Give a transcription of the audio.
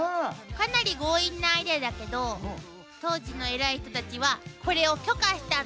かなり強引なアイデアだけど当時の偉い人たちはこれを許可したの。